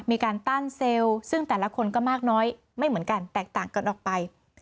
มีการต้านเซลล์ซึ่งแต่ละคนก็มากน้อยไม่เหมือนกันแตกต่างกันออกไป